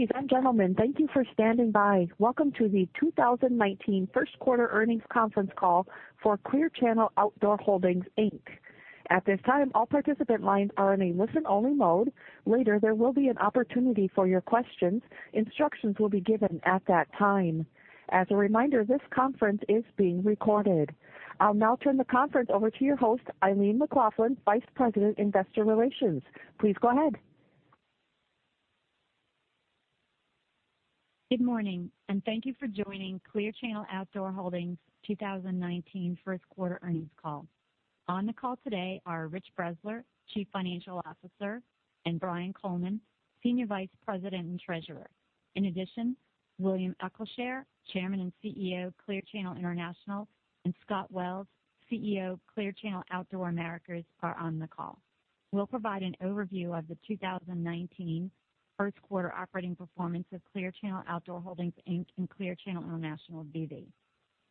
Ladies and gentlemen, thank you for standing by. Welcome to the 2019 first quarter earnings conference call for Clear Channel Outdoor Holdings, Inc. At this time, all participant lines are in a listen-only mode. Later, there will be an opportunity for your questions. Instructions will be given at that time. As a reminder, this conference is being recorded. I'll now turn the conference over to your host, Eileen McLaughlin, Vice President, Investor Relations. Please go ahead. Good morning. Thank you for joining Clear Channel Outdoor Holdings' 2019 first quarter earnings call. On the call today are Rich Bressler, Chief Financial Officer, and Brian Coleman, Senior Vice President and Treasurer. In addition, William Eccleshare, Chairman and CEO of Clear Channel International, and Scott Wells, CEO of Clear Channel Outdoor Americas are on the call. We'll provide an overview of the 2019 first quarter operating performance of Clear Channel Outdoor Holdings, Inc. and Clear Channel International B.V.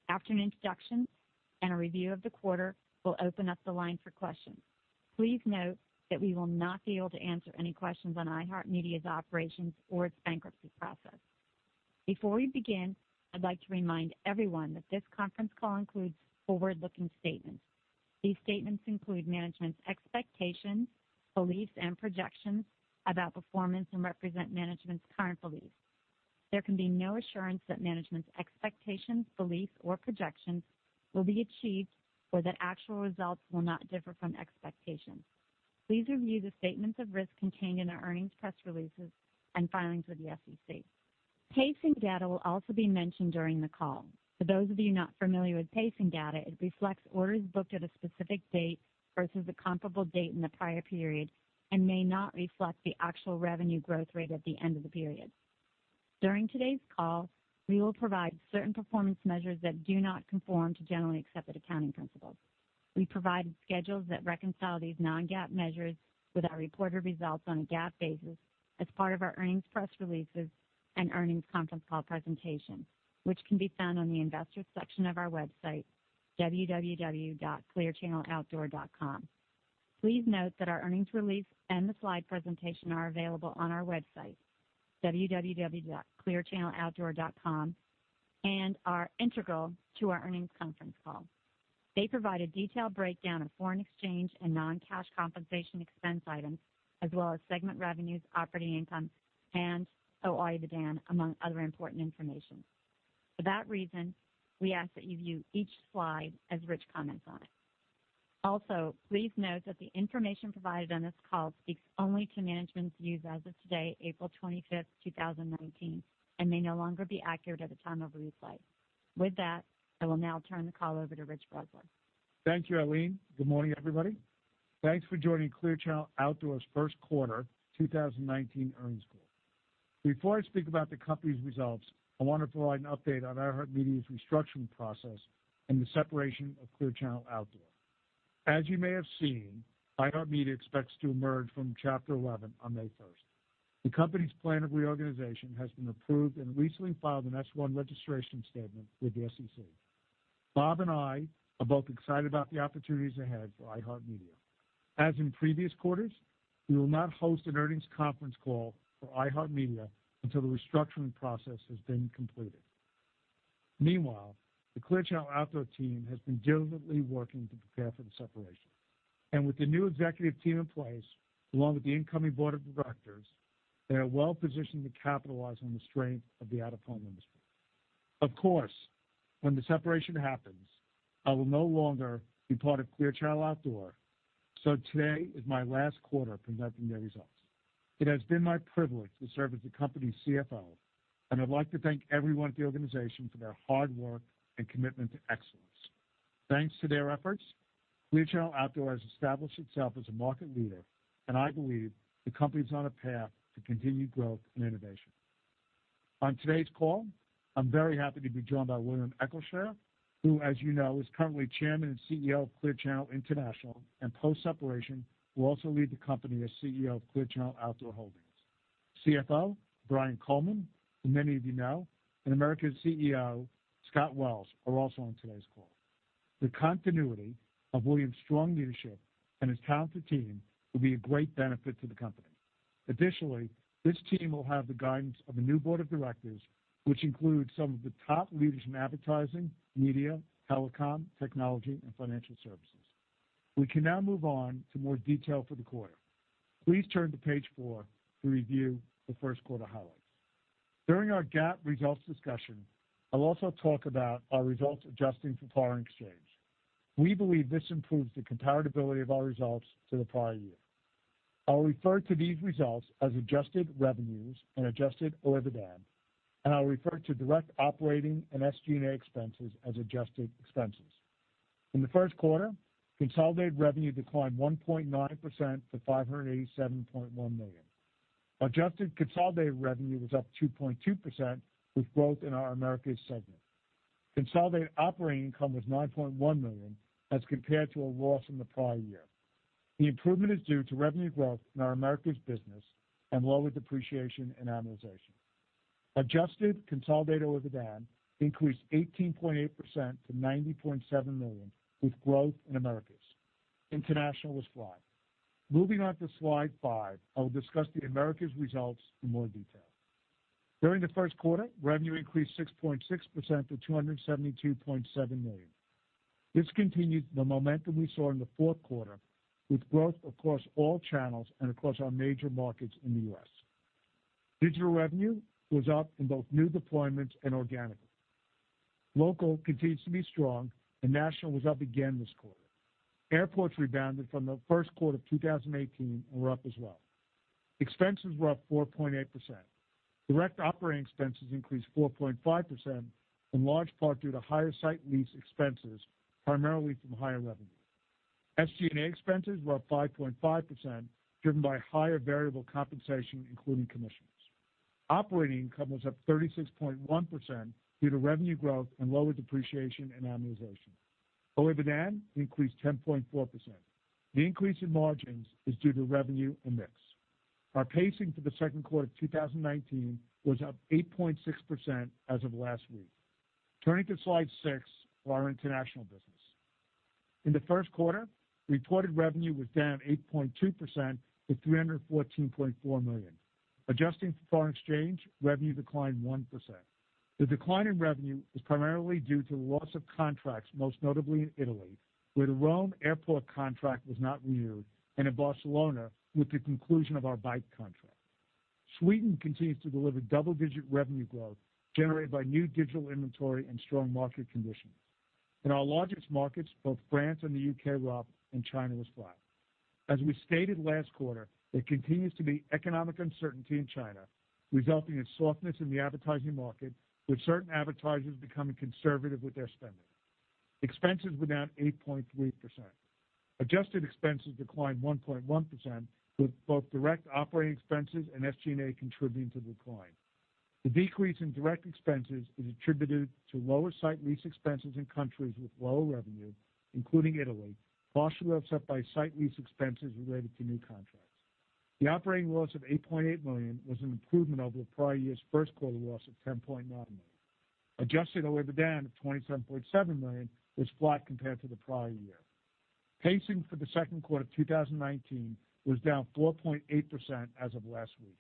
After an introduction and a review of the quarter, we'll open up the line for questions. Please note that we will not be able to answer any questions on iHeartMedia's operations or its bankruptcy process. Before we begin, I'd like to remind everyone that this conference call includes forward-looking statements. These statements include management's expectations, beliefs, and projections about performance and represent management's current beliefs. There can be no assurance that management's expectations, beliefs, or projections will be achieved or that actual results will not differ from expectations. Please review the statements of risk contained in our earnings press releases and filings with the SEC. Pacing data will also be mentioned during the call. For those of you not familiar with pacing data, it reflects orders booked at a specific date versus the comparable date in the prior period and may not reflect the actual revenue growth rate at the end of the period. During today's call, we will provide certain performance measures that do not conform to generally accepted accounting principles. We provide schedules that reconcile these non-GAAP measures with our reported results on a GAAP basis as part of our earnings press releases and earnings conference call presentation, which can be found on the investors section of our website, www.clearchanneloutdoor.com. Please note that our earnings release and the slide presentation are available on our website, www.clearchanneloutdoor.com, and are integral to our earnings conference call. They provide a detailed breakdown of foreign exchange and non-cash compensation expense items, as well as segment revenues, operating income, and OIBDAN, among other important information. For that reason, we ask that you view each slide as Rich comments on it. Please note that the information provided on this call speaks only to management's views as of today, April 25th, 2019, and may no longer be accurate at the time of replay. With that, I will now turn the call over to Rich Bressler. Thank you, Eileen. Good morning, everybody. Thanks for joining Clear Channel Outdoor's first quarter 2019 earnings call. Before I speak about the company's results, I wanted to provide an update on iHeartMedia's restructuring process and the separation of Clear Channel Outdoor. As you may have seen, iHeartMedia expects to emerge from Chapter 11 on May 1st. The company's plan of reorganization has been approved and recently filed an S-1 registration statement with the SEC. Bob and I are both excited about the opportunities ahead for iHeartMedia. As in previous quarters, we will not host an earnings conference call for iHeartMedia until the restructuring process has been completed. Meanwhile, the Clear Channel Outdoor team has been diligently working to prepare for the separation. With the new executive team in place, along with the incoming board of directors, they are well positioned to capitalize on the strength of the out-of-home industry. Of course, when the separation happens, I will no longer be part of Clear Channel Outdoor, so today is my last quarter presenting their results. It has been my privilege to serve as the company's CFO, and I'd like to thank everyone at the organization for their hard work and commitment to excellence. Thanks to their efforts, Clear Channel Outdoor has established itself as a market leader, and I believe the company's on a path to continued growth and innovation. On today's call, I'm very happy to be joined by William Eccleshare, who, as you know, is currently Chairman and CEO of Clear Channel International, and post-separation, will also lead the company as CEO of Clear Channel Outdoor Holdings. CFO Brian Coleman, who many of you know, and Americas CEO Scott Wells are also on today's call. The continuity of William's strong leadership and his talented team will be a great benefit to the company. Additionally, this team will have the guidance of a new board of directors, which includes some of the top leaders in advertising, media, telecom, technology, and financial services. We can now move on to more detail for the quarter. Please turn to page four to review the first quarter highlights. During our GAAP results discussion, I'll also talk about our results adjusting for foreign exchange. We believe this improves the comparability of our results to the prior year. I'll refer to these results as adjusted revenues and adjusted OIBDAN, and I'll refer to direct operating and SG&A expenses as adjusted expenses. In the first quarter, consolidated revenue declined 1.9% to $587.1 million. Adjusted consolidated revenue was up 2.2% with growth in our Americas segment. Consolidated operating income was $9.1 million as compared to a loss in the prior year. The improvement is due to revenue growth in our Americas business and lower depreciation and amortization. Adjusted consolidated EBITDA increased 18.8% to $90.7 million, with growth in Americas. International was flat. Moving on to slide five, I will discuss the Americas results in more detail. During the first quarter, revenue increased 6.6% to $272.7 million. This continued the momentum we saw in the fourth quarter, with growth across all channels and across our major markets in the U.S. Digital revenue was up in both new deployments and organically. Local continues to be strong, and National was up again this quarter. Airports rebounded from the first quarter of 2018 and were up as well. Expenses were up 4.8%. Direct operating expenses increased 4.5%, in large part due to higher site lease expenses, primarily from higher revenue. SG&A expenses were up 5.5%, driven by higher variable compensation, including commissions. Operating income was up 36.1% due to revenue growth and lower depreciation and amortization. Our EBITDA increased 10.4%. The increase in margins is due to revenue and mix. Our pacing for the second quarter 2019 was up 8.6% as of last week. Turning to slide six for our international business. In the first quarter, reported revenue was down 8.2% to $314.4 million. Adjusting for foreign exchange, revenue declined 1%. The decline in revenue is primarily due to the loss of contracts, most notably in Italy, where the Rome Airport contract was not renewed, and in Barcelona, with the conclusion of our bike contract. Sweden continues to deliver double-digit revenue growth generated by new digital inventory and strong market conditions. In our largest markets, both France and the U.K. were up, and China was flat. As we stated last quarter, there continues to be economic uncertainty in China, resulting in softness in the advertising market, with certain advertisers becoming conservative with their spending. Expenses were down 8.3%. Adjusted expenses declined 1.1%, with both direct operating expenses and SG&A contributing to the decline. The decrease in direct expenses is attributed to lower site lease expenses in countries with lower revenue, including Italy, partially offset by site lease expenses related to new contracts. The operating loss of $8.8 million was an improvement over the prior year's first quarter loss of $10.9 million. Adjusted EBITDA of $27.7 million was flat compared to the prior year. Pacing for the second quarter of 2019 was down 4.8% as of last week.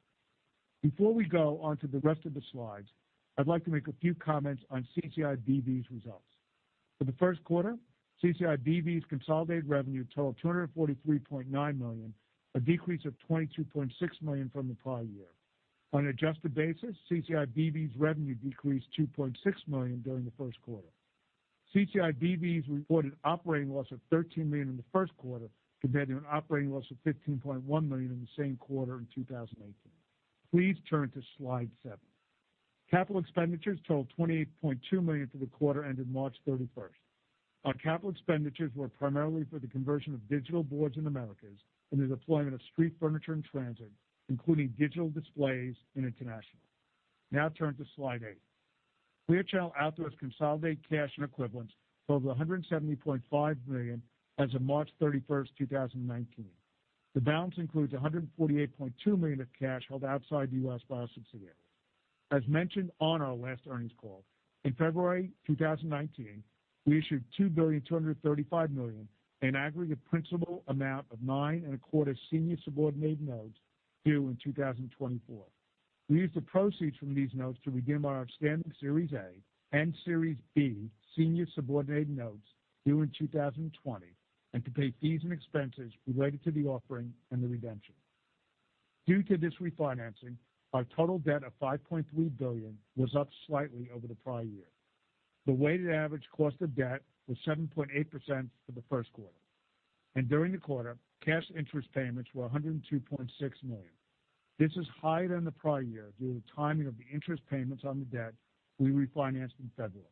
Before we go on to the rest of the slides, I'd like to make a few comments on CCIBV's results. For the first quarter, CCIBV's consolidated revenue totaled $243.9 million, a decrease of $22.6 million from the prior year. On an adjusted basis, CCIBV's revenue decreased $2.6 million during the first quarter. CCIBV's reported operating loss of $13 million in the first quarter compared to an operating loss of $15.1 million in the same quarter in 2018. Please turn to slide seven. Capital expenditures totaled $28.2 million for the quarter ending March 31st. Our capital expenditures were primarily for the conversion of digital boards in Americas and the deployment of street furniture and transit, including digital displays in international. Now turn to slide eight. Clear Channel Outdoor's consolidated cash and equivalents totaled $170.5 million as of March 31st, 2019. The balance includes $148.2 million of cash held outside the U.S. by our subsidiaries. As mentioned on our last earnings call, in February 2019, we issued $2.235 billion an aggregate principal amount of nine and a quarter senior subordinated notes due in 2024. We used the proceeds from these notes to redeem our outstanding Series A and Series B senior subordinated notes due in 2020 and to pay fees and expenses related to the offering and the redemption. Due to this refinancing, our total debt of $5.3 billion was up slightly over the prior year. The weighted average cost of debt was 7.8% for the first quarter. During the quarter, cash interest payments were $102.6 million. This is higher than the prior year due to the timing of the interest payments on the debt we refinanced in February.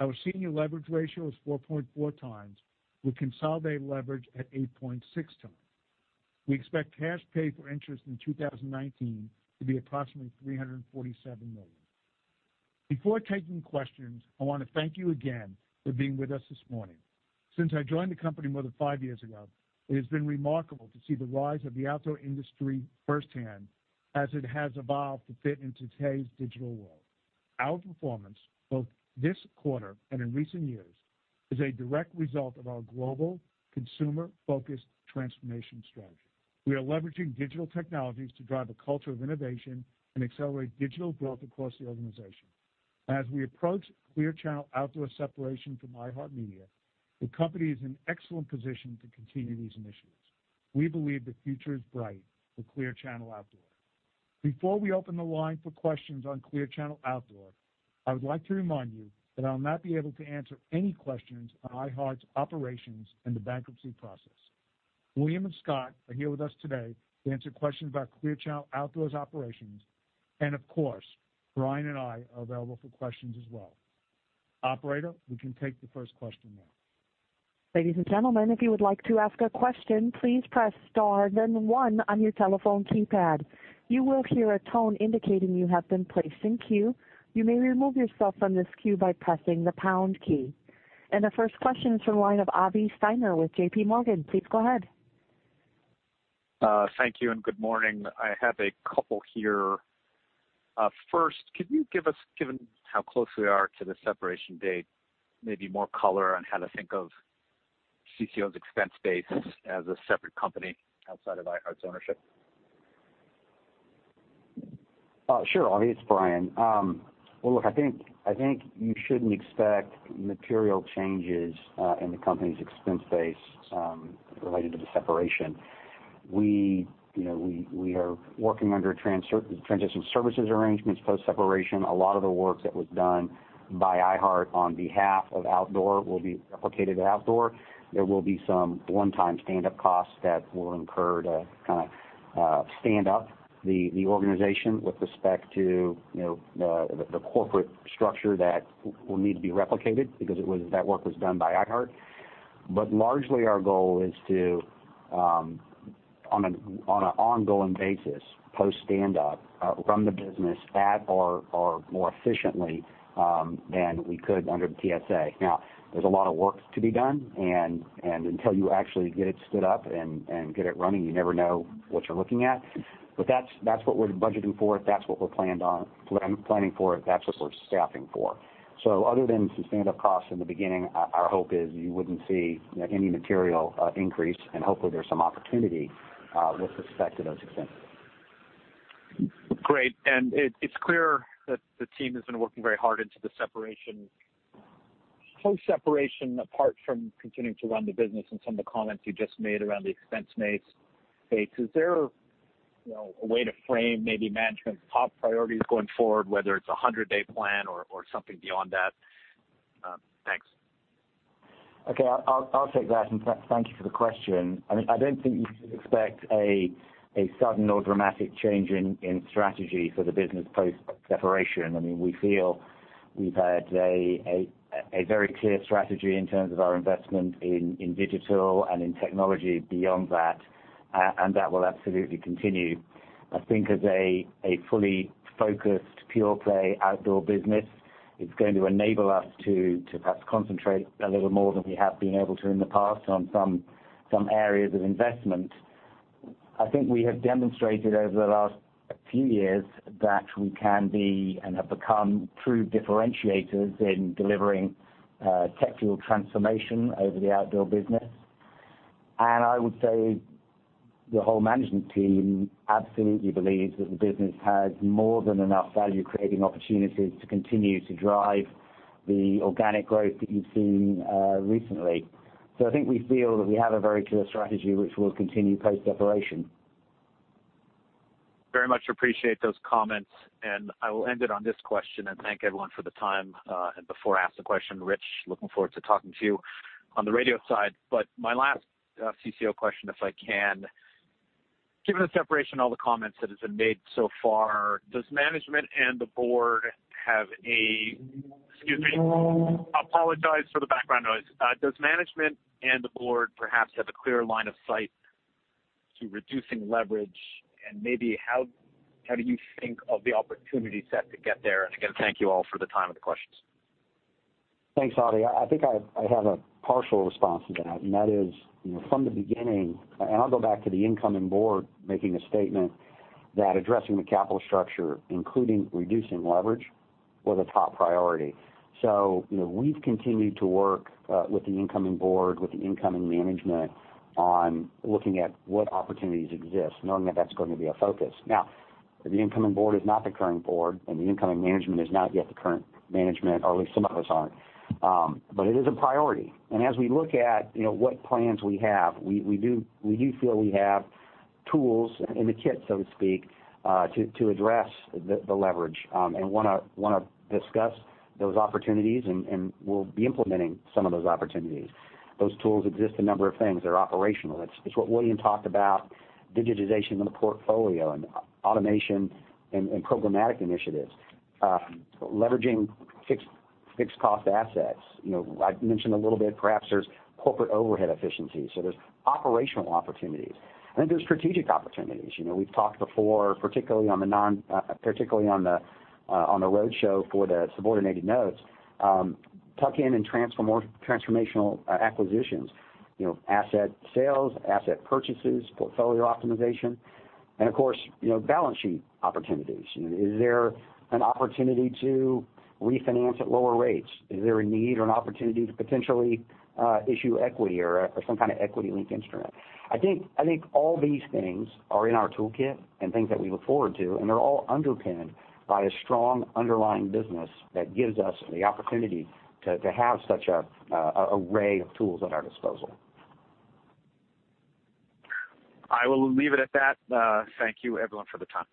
Our senior leverage ratio is 4.4 times, with consolidated leverage at 8.6 times. We expect cash paid for interest in 2019 to be approximately $347 million. Before taking questions, I want to thank you again for being with us this morning. Since I joined the company more than five years ago, it has been remarkable to see the rise of the outdoor industry firsthand as it has evolved to fit in today's digital world. Our performance, both this quarter and in recent years, is a direct result of our global consumer-focused transformation strategy. We are leveraging digital technologies to drive a culture of innovation and accelerate digital growth across the organization. As we approach Clear Channel Outdoor separation from iHeartMedia, the company is in excellent position to continue these initiatives. We believe the future is bright for Clear Channel Outdoor. Before we open the line for questions on Clear Channel Outdoor, I would like to remind you that I'll not be able to answer any questions on iHeart's operations and the bankruptcy process. William and Scott are here with us today to answer questions about Clear Channel Outdoor's operations, and of course, Brian and I are available for questions as well. Operator, we can take the first question now. Ladies and gentlemen, if you would like to ask a question, please press star then one on your telephone keypad. You will hear a tone indicating you have been placed in queue. You may remove yourself from this queue by pressing the pound key. The first question is from the line of Avi Steiner with JPMorgan. Please go ahead. Thank you and good morning. I have a couple here. First, could you give us, given how close we are to the separation date, maybe more color on how to think of CCO's expense base as a separate company outside of iHeartMedia's ownership? Sure, Avi. It's Brian. I think you shouldn't expect material changes in the company's expense base related to the separation. We are working under transition services arrangements post-separation. A lot of the work that was done by iHeartMedia on behalf of Outdoor will be replicated at Outdoor. There will be some one-time standup costs that we'll incur to stand up the organization with respect to the corporate structure that will need to be replicated because that work was done by iHeartMedia. Largely, our goal is to, on an ongoing basis post-standup, run the business at or more efficiently than we could under the TSA. There's a lot of work to be done, and until you actually get it stood up and get it running, you never know what you're looking at. That's what we're budgeting for, that's what we're planning for, that's what we're staffing for. Other than some standup costs in the beginning, our hope is you wouldn't see any material increase, and hopefully there's some opportunity with respect to those expenses. Great. It's clear that the team has been working very hard into the separation. Post-separation, apart from continuing to run the business and some of the comments you just made around the expense base, is there a way to frame maybe management's top priorities going forward, whether it's a 100-day plan or something beyond that? Thanks. I'll take that, thank you for the question. I don't think you should expect a sudden or dramatic change in strategy for the business post-separation. We feel we've had a very clear strategy in terms of our investment in digital and in technology beyond that will absolutely continue. I think as a fully focused pure-play Outdoor business, it's going to enable us to perhaps concentrate a little more than we have been able to in the past on some areas of investment. I think we have demonstrated over the last few years that we can be, and have become, true differentiators in delivering technical transformation over the Outdoor business. I would say the whole management team absolutely believes that the business has more than enough value-creating opportunities to continue to drive the organic growth that you've seen recently. I think we feel that we have a very clear strategy which will continue post-separation. Very much appreciate those comments, and I will end it on this question and thank everyone for the time. Before I ask the question, Rich, looking forward to talking to you on the radio side. My last CCO question, if I can. Given the separation, all the comments that have been made so far, does management and the board have a Excuse me. I apologize for the background noise. Does management and the board perhaps have a clear line of sight to reducing leverage, and maybe how do you think of the opportunity set to get there? Again, thank you all for the time and the questions. Thanks, Avi. I think I have a partial response to that, and that is, from the beginning, and I'll go back to the incoming board making a statement that addressing the capital structure, including reducing leverage, was a top priority. We've continued to work with the incoming board, with the incoming management, on looking at what opportunities exist, knowing that that's going to be a focus. Now, the incoming board is not the current board, and the incoming management is not yet the current management, or at least some of us aren't. It is a priority. As we look at what plans we have, we do feel we have tools in the kit, so to speak, to address the leverage, and want to discuss those opportunities, and we'll be implementing some of those opportunities. Those tools exist in a number of things. They're operational. It's what William talked about, digitization of the portfolio and automation and programmatic initiatives. Leveraging fixed cost assets. I've mentioned a little bit, perhaps there's corporate overhead efficiency. There's operational opportunities. Then there's strategic opportunities. We've talked before, particularly on the road show for the subordinated notes. Tuck in and transformational acquisitions. Asset sales, asset purchases, portfolio optimization. Of course, balance sheet opportunities. Is there an opportunity to refinance at lower rates? Is there a need or an opportunity to potentially issue equity or some kind of equity-linked instrument? I think all these things are in our toolkit and things that we look forward to, and they're all underpinned by a strong underlying business that gives us the opportunity to have such an array of tools at our disposal. I will leave it at that. Thank you everyone for the time.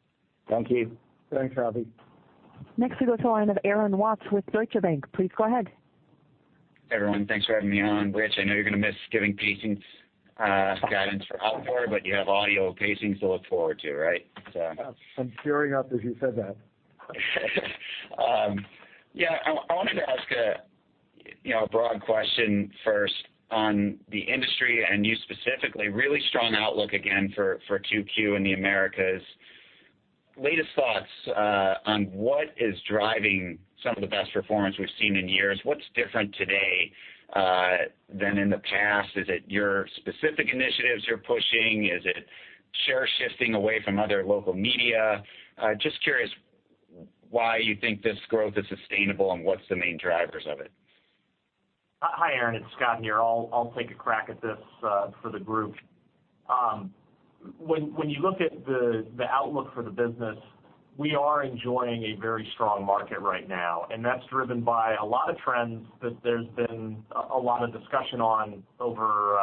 Thank you. Thanks, Avi. Next we go to the line of Aaron Watts with Deutsche Bank. Please go ahead. Everyone, thanks for having me on. Rich, I know you're going to miss giving pacings guidance for Outdoor, but you have audio pacings to look forward to, right? I'm tearing up as you said that. Yeah. I wanted to ask a broad question first on the industry and you specifically. Really strong outlook again for 2Q in the Americas. Latest thoughts on what is driving some of the best performance we've seen in years. What's different today than in the past? Is it your specific initiatives you're pushing? Is it share shifting away from other local media? Just curious why you think this growth is sustainable and what's the main drivers of it. Hi, Aaron, it's Scott here. I'll take a crack at this for the group. When you look at the outlook for the business, we are enjoying a very strong market right now, and that's driven by a lot of trends that there's been a lot of discussion on over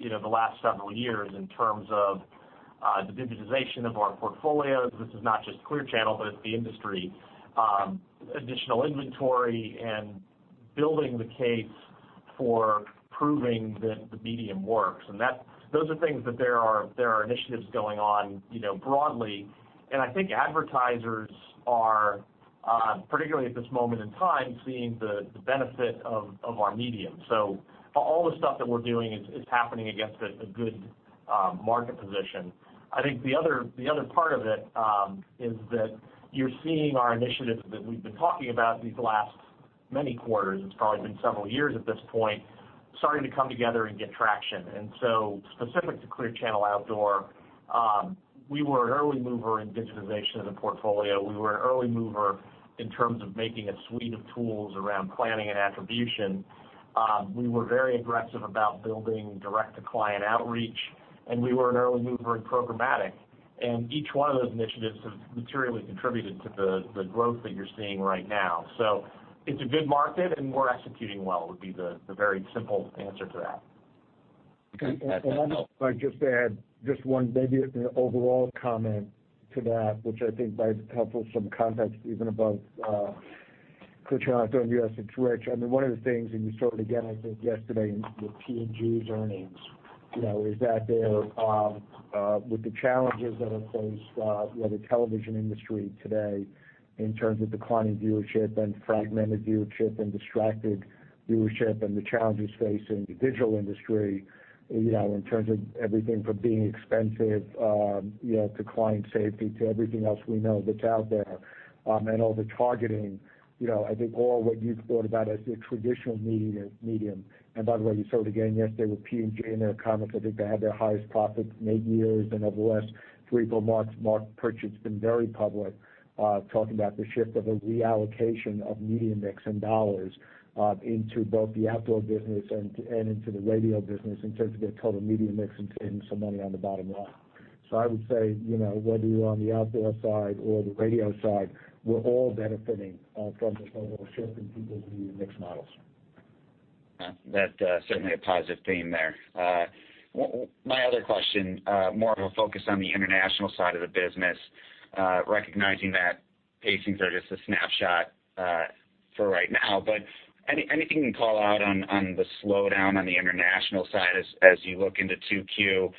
the last several years in terms of the digitization of our portfolios. This is not just Clear Channel, but it's the industry. Additional inventory and building the case for proving that the medium works. Those are things that there are initiatives going on broadly, and I think advertisers are, particularly at this moment in time, seeing the benefit of our medium. All the stuff that we're doing is happening against a good market position. I think the other part of it is that you're seeing our initiatives that we've been talking about these last many quarters, it's probably been several years at this point, starting to come together and get traction. Specific to Clear Channel Outdoor, we were an early mover in digitization of the portfolio. We were an early mover in terms of making a suite of tools around planning and attribution. We were very aggressive about building direct-to-client outreach, and we were an early mover in programmatic, each one of those initiatives has materially contributed to the growth that you're seeing right now. It's a good market, and we're executing well, would be the very simple answer to that. If I can just add just one maybe overall comment to that, which I think provides helpful some context even above Clear Channel Outdoor, U.S., and. [inaudible] I mean, one of the things, and you saw it again, I think, yesterday with P&G's earnings, is that there, with the challenges that are faced with the television industry today in terms of declining viewership and fragmented viewership and distracted viewership and the challenges facing the digital industry, in terms of everything from being expensive, to client safety, to everything else we know that's out there, and all the targeting, I think all what you thought about as the traditional medium. By the way, you saw it again yesterday with P&G in their comments. I think they had their highest profits in eight years, over the last three or four months, Marc Pritchard's been very public talking about the shift of a reallocation of media mix and dollars into both the outdoor business and into the radio business in terms of their total media mix and seeing some money on the bottom line. I would say, whether you're on the outdoor side or the radio side, we're all benefiting from this overall shift in people's media mix models. That's certainly a positive theme there. My other question, more of a focus on the international side of the business, recognizing that pacings are just a snapshot for right now. Anything you can call out on the slowdown on the international side as you look into 2Q?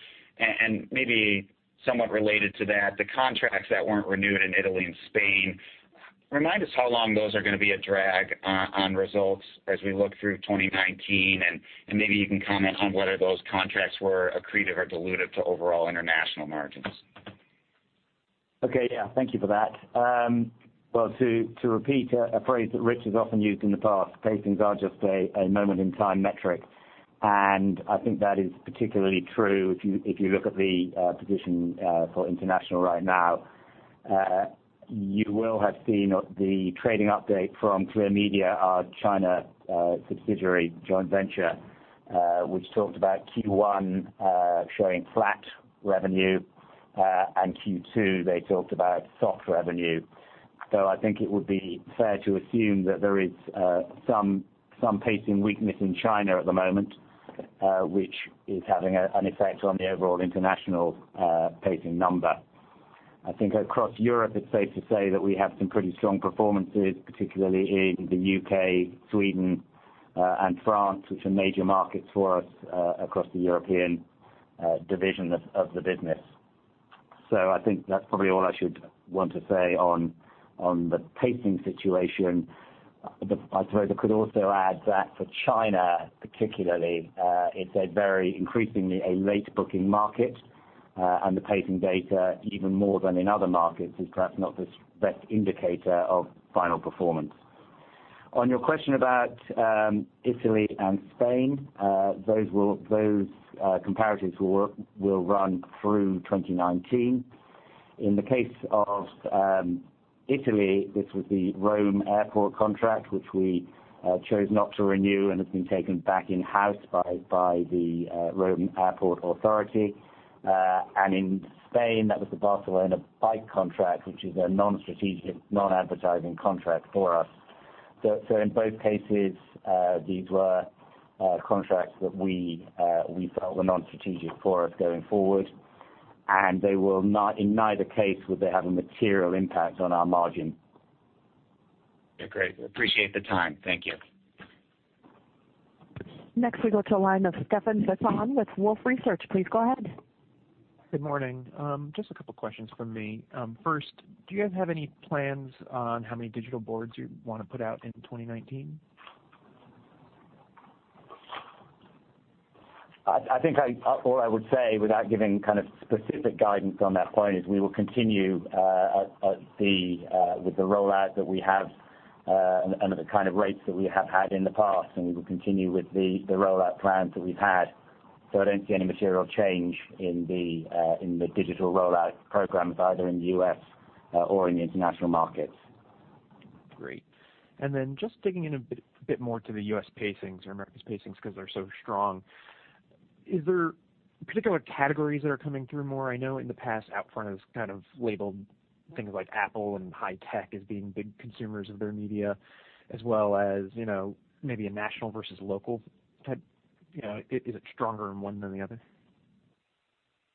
Maybe somewhat related to that, the contracts that weren't renewed in Italy and Spain, remind us how long those are going to be a drag on results as we look through 2019, and maybe you can comment on whether those contracts were accretive or dilutive to overall international margins. Okay. Yeah. Thank you for that. Well, to repeat a phrase that Rich has often used in the past, pacings are just a moment-in-time metric, and I think that is particularly true if you look at the position for international right now. You will have seen the trading update from Clear Media, our China subsidiary joint venture, which talked about Q1 showing flat revenue, and Q2, they talked about soft revenue. I think it would be fair to assume that there is some pacing weakness in China at the moment, which is having an effect on the overall international pacing number. I think across Europe, it's safe to say that we have some pretty strong performances, particularly in the U.K., Sweden, and France, which are major markets for us across the European division of the business. I think that's probably all I should want to say on the pacing situation. I suppose I could also add that for China particularly, it's a very increasingly a late booking market, and the pacing data, even more than in other markets, is perhaps not the best indicator of final performance. On your question about Italy and Spain, those comparatives will run through 2019. In the case of Italy, this was the Rome Airport contract, which we chose not to renew and has been taken back in-house by the Aeroporti di Roma. In Spain, that was the Barcelona bike contract, which is a non-strategic, non-advertising contract for us. In both cases, these were contracts that we felt were non-strategic for us going forward, and in neither case would they have a material impact on our margin. Okay, great. Appreciate the time. Thank you. Next, we go to the line of Stephan Bisson with Wolfe Research. Please go ahead. Good morning. Just a couple questions from me. First, do you guys have any plans on how many digital boards you want to put out in 2019? I think all I would say, without giving specific guidance on that point, is we will continue with the rollout that we have and at the kind of rates that we have had in the past, we will continue with the rollout plans that we've had. I don't see any material change in the digital rollout programs, either in the U.S. or in the international markets. Great. Just digging in a bit more to the U.S. pacings or Americas pacings because they're so strong, is there particular categories that are coming through more? I know in the past, Outfront has kind of labeled things like Apple and high tech as being big consumers of their media, as well as maybe a national versus local type. Is it stronger in one than the other?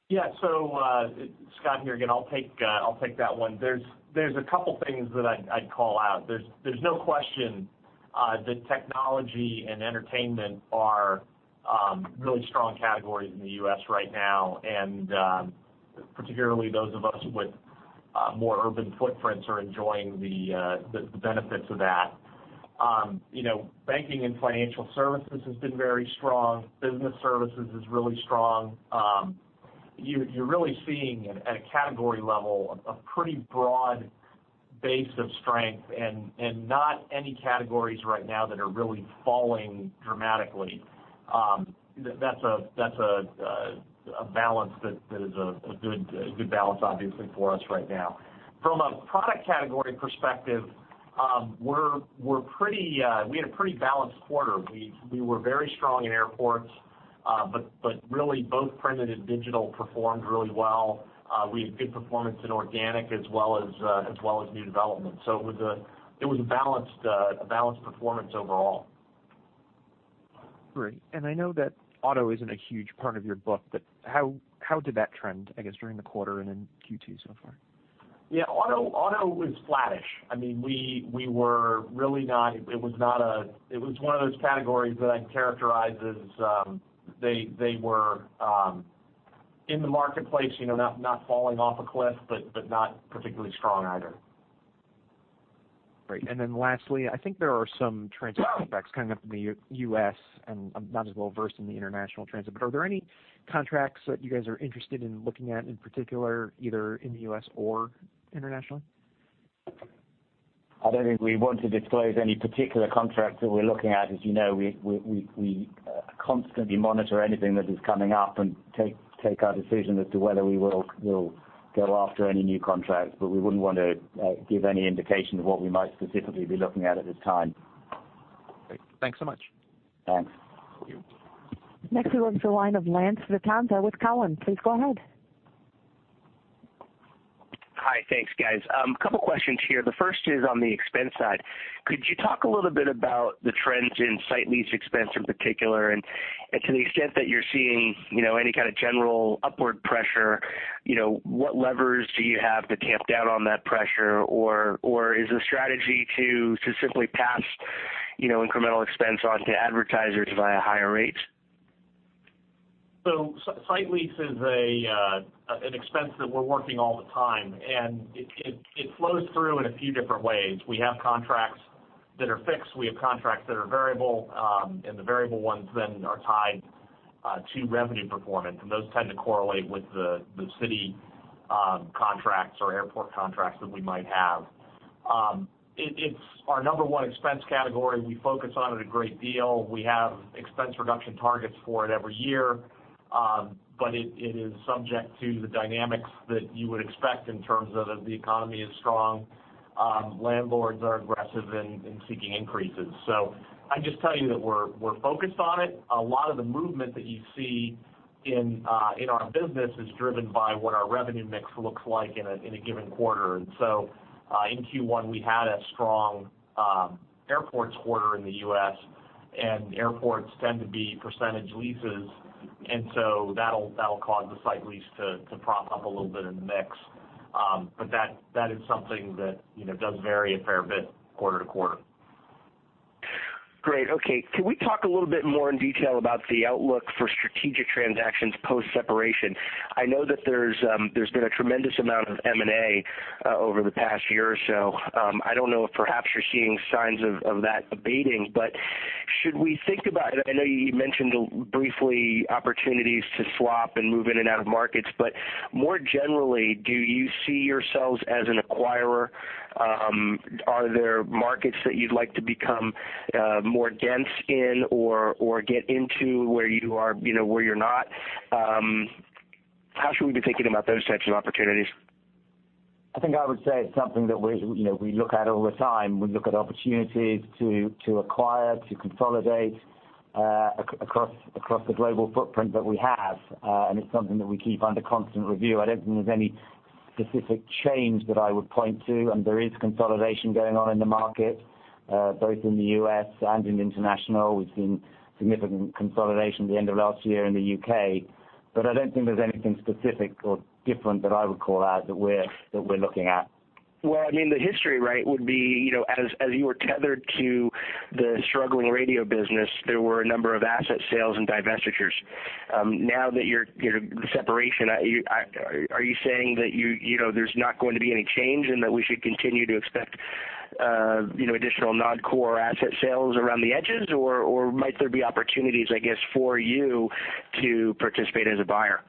Yeah. Scott here again. I'll take that one. There's a couple things that I'd call out. There's no question that technology and entertainment are really strong categories in the U.S. right now. Particularly those of us with more urban footprints are enjoying the benefits of that. Banking and financial services has been very strong. Business services is really strong. You're really seeing, at a category level, a pretty broad base of strength and not any categories right now that are really falling dramatically. That's a balance that is a good balance, obviously, for us right now. From a product category perspective, we had a pretty balanced quarter. We were very strong in airports. Really, both printed and digital performed really well. We had good performance in organic as well as new development. It was a balanced performance overall. Great. I know that auto isn't a huge part of your book, but how did that trend, I guess, during the quarter and in Q2 so far? Yeah. Auto was flattish. It was one of those categories that I'd characterize as they were in the marketplace, not falling off a cliff, but not particularly strong either. Great. Lastly, I think there are some transit contracts coming up in the U.S., and I'm not as well-versed in the international transit. Are there any contracts that you guys are interested in looking at in particular, either in the U.S. or internationally? I don't think we want to disclose any particular contracts that we're looking at. As you know, we constantly monitor anything that is coming up and take our decision as to whether we will go after any new contracts. We wouldn't want to give any indication of what we might specifically be looking at this time. Great. Thanks so much. Thanks. Thank you. Next, we go to the line of Lance Vitanza with Cowen. Please go ahead. Hi. Thanks, guys. A couple questions here. The first is on the expense side. Could you talk a little bit about the trends in site lease expense in particular? To the extent that you're seeing any kind of general upward pressure, what levers do you have to tamp down on that pressure? Is the strategy to simply pass incremental expense onto advertisers via higher rates? Site lease is an expense that we're working all the time, and it flows through in a few different ways. We have contracts that are fixed, we have contracts that are variable, and the variable ones are tied to revenue performance, and those tend to correlate with the city contracts or airport contracts that we might have. It's our number one expense category. We focus on it a great deal. We have expense reduction targets for it every year. It is subject to the dynamics that you would expect in terms of if the economy is strong, landlords are aggressive in seeking increases. I'd just tell you that we're focused on it. A lot of the movement that you see in our business is driven by what our revenue mix looks like in a given quarter. In Q1, we had a strong airports quarter in the U.S., and airports tend to be percentage leases, so that'll cause the site lease to prop up a little bit in the mix. That is something that does vary a fair bit quarter to quarter. Great. Okay. Can we talk a little bit more in detail about the outlook for strategic transactions post-separation? I know that there's been a tremendous amount of M&A over the past year or so. I don't know if perhaps you're seeing signs of that abating. Should we think about, I know you mentioned briefly opportunities to swap and move in and out of markets, more generally, do you see yourselves as an acquirer? Are there markets that you'd like to become more dense in or get into where you're not? How should we be thinking about those types of opportunities? I think I would say it's something that we look at all the time. We look at opportunities to acquire, to consolidate across the global footprint that we have. It's something that we keep under constant review. I don't think there's any specific change that I would point to, there is consolidation going on in the market, both in the U.S. and in international. We've seen significant consolidation at the end of last year in the U.K. I don't think there's anything specific or different that I would call out that we're looking at. Well, the history, right, would be as you were tethered to the struggling radio business, there were a number of asset sales and divestitures. Now that you're separation, are you saying that there's not going to be any change and that we should continue to expect additional non-core asset sales around the edges? Might there be opportunities, I guess, for you to participate as a buyer?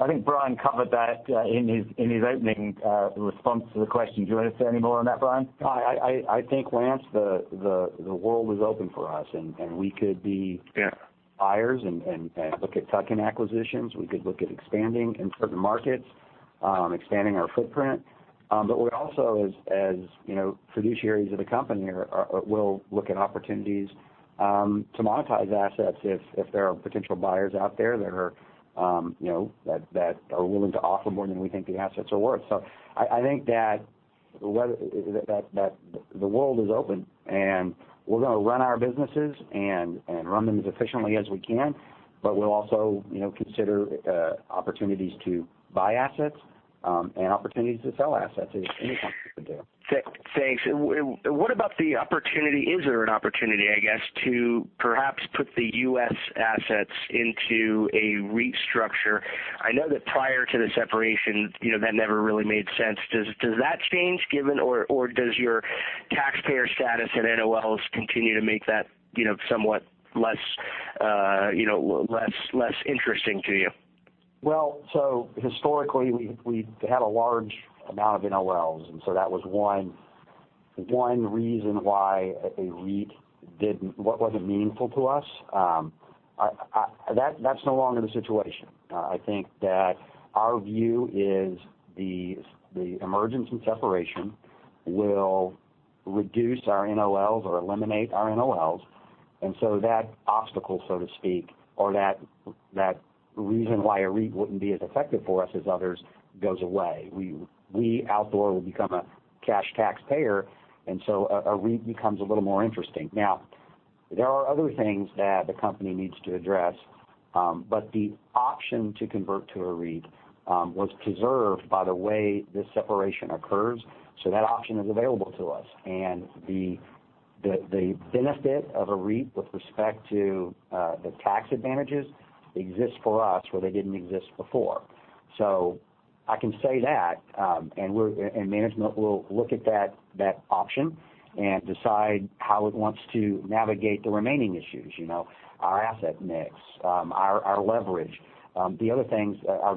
I think Brian covered that in his opening response to the question. Do you want to say any more on that, Brian? I think, Lance, the world is open for us. Yeah buyers and look at tuck-in acquisitions. We could look at expanding in certain markets, expanding our footprint. We also, as fiduciaries of the company, will look at opportunities to monetize assets if there are potential buyers out there that are willing to offer more than we think the assets are worth. I think that the world is open and we're going to run our businesses and run them as efficiently as we can. We'll also consider opportunities to buy assets and opportunities to sell assets if any come through the door. Thanks. What about the opportunity, is there an opportunity, I guess, to perhaps put the U.S. assets into a restructure? I know that prior to the separation, that never really made sense. Does that change given, or does your taxpayer status and NOLs continue to make that somewhat less interesting to you? Well, historically, we've had a large amount of NOLs, that was one reason why a REIT wasn't meaningful to us. That's no longer the situation. I think that our view is the emergence and separation will reduce our NOLs or eliminate our NOLs. That obstacle, so to speak, or that reason why a REIT wouldn't be as effective for us as others, goes away. We, Outdoor, will become a cash taxpayer, a REIT becomes a little more interesting. There are other things that the company needs to address, the option to convert to a REIT was preserved by the way this separation occurs. That option is available to us. The benefit of a REIT with respect to the tax advantages exists for us where they didn't exist before. I can say that, management will look at that option and decide how it wants to navigate the remaining issues. Our asset mix, our leverage, our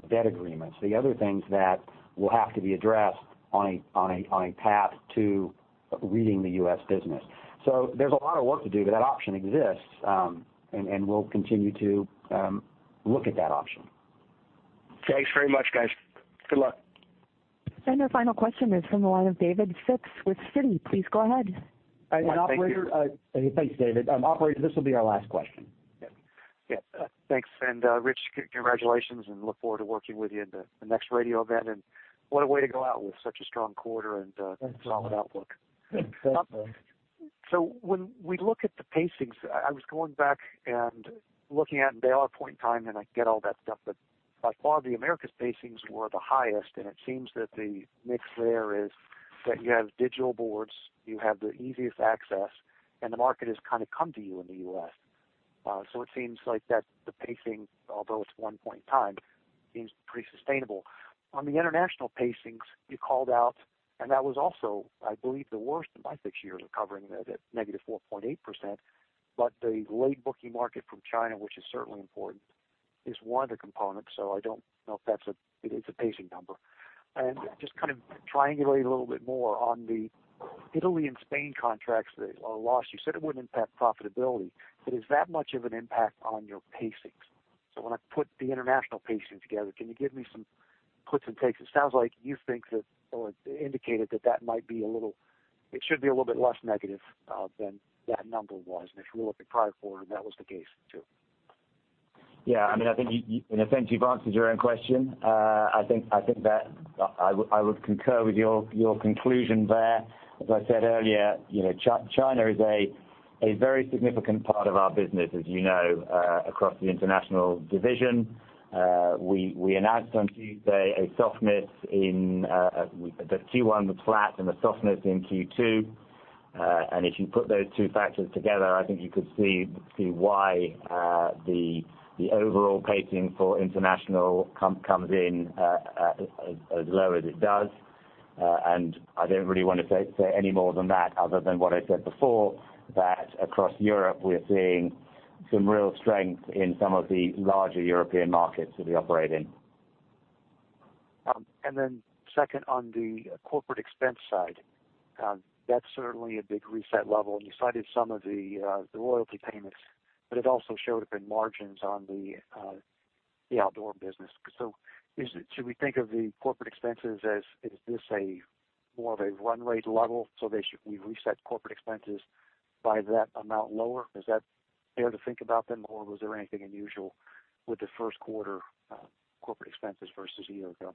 debt agreements, the other things that will have to be addressed on a path to REIT-ing the U.S. business. There's a lot of work to do, that option exists, we'll continue to look at that option. Thanks very much, guys. Good luck. Our final question is from the line of David Fite with Citi. Please go ahead. Thanks, David. Operator, this will be our last question. Yeah. Thanks, Rich, congratulations, look forward to working with you into the next radio event. What a way to go out with such a strong quarter and a- Thanks solid outlook. Thanks, David. When we look at the pacings, I was going back and looking at them. They are a point in time, and I get all that stuff, but by far the Americas pacings were the highest, and it seems that the mix there is that you have digital boards, you have the easiest access, and the market has kind of come to you in the U.S. It seems like that the pacing, although it's one point in time, seems pretty sustainable. On the international pacings, you called out, and that was also, I believe, the worst in my six years of covering it at negative 4.8%, but the late booking market from China, which is certainly important, is one of the components. I don't know if that's a pacing number. Just kind of triangulate a little bit more on the Italy and Spain contracts that are lost, you said it wouldn't impact profitability, but is that much of an impact on your pacings? When I put the international pacing together, can you give me some puts and takes? It sounds like you think that, or indicated that it should be a little bit less negative than that number was. If you look at prior forward, that was the case, too. Yeah, I think in a sense you've answered your own question. I think that I would concur with your conclusion there. As I said earlier, China is a very significant part of our business as you know, across the International division. We announced on Tuesday a softness in the Q1, the flat, and the softness in Q2. If you put those two factors together, I think you could see why the overall pacing for international comes in as low as it does. I don't really want to say any more than that other than what I said before, that across Europe we're seeing some real strength in some of the larger European markets that we operate in. Second, on the corporate expense side, that's certainly a big reset level, and you cited some of the royalty payments, but it also showed up in margins on the Outdoor business. Should we think of the corporate expenses as, is this a more of a run rate level, so we reset corporate expenses by that amount lower? Is that fair to think about them, or was there anything unusual with the first quarter corporate expenses versus a year ago?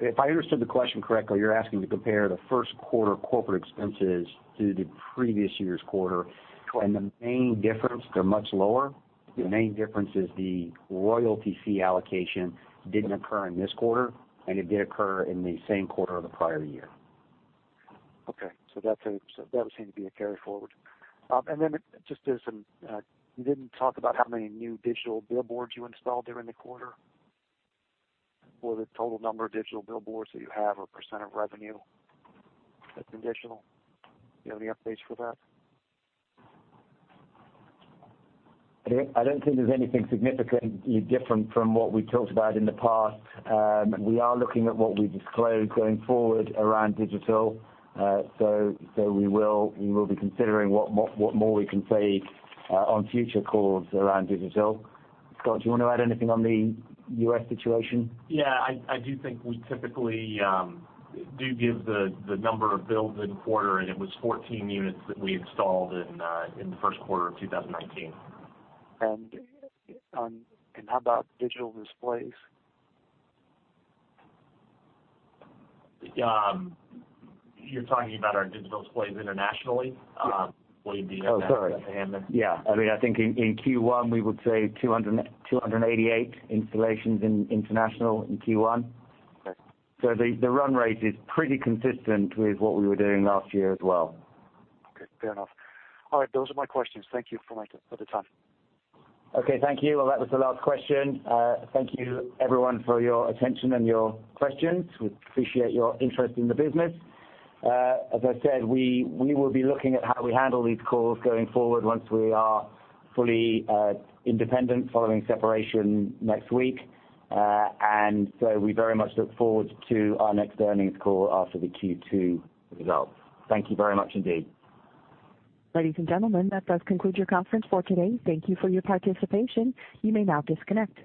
If I understood the question correctly, you're asking to compare the first quarter corporate expenses to the previous year's quarter. Correct. The main difference, they're much lower. The main difference is the royalty fee allocation didn't occur in this quarter, and it did occur in the same quarter of the prior year. Okay. That would seem to be a carry-forward. You didn't talk about how many new digital billboards you installed during the quarter, or the total number of digital billboards that you have or % of revenue that's additional. Do you have any updates for that? I don't think there's anything significantly different from what we've talked about in the past. We are looking at what we've disclosed going forward around digital. We will be considering what more we can say on future calls around digital. Scott, do you want to add anything on the U.S. situation? Yeah, I do think we typically do give the number of builds in quarter, and it was 14 units that we installed in the first quarter of 2019. How about digital displays? You're talking about our digital displays internationally? Yeah. Will you. Oh, sorry. able to handle? Yeah. I think in Q1, we would say 288 installations in international in Q1. Okay. The run rate is pretty consistent with what we were doing last year as well. Okay, fair enough. All right. Those are my questions. Thank you for the time. Okay. Thank you. That was the last question. Thank you everyone for your attention and your questions. We appreciate your interest in the business. As I said, we will be looking at how we handle these calls going forward once we are fully independent following separation next week. We very much look forward to our next earnings call after the Q2 results. Thank you very much indeed. Ladies and gentlemen, that does conclude your conference for today. Thank you for your participation. You may now disconnect.